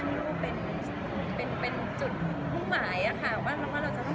แต่ว่าแอวเป็นเป็นส่วนนึงที่อยากจะให้กำลังใจ